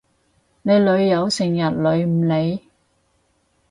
你女友成日女唔你？